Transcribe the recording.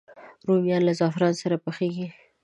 رومیان له زعفران سره پخېږي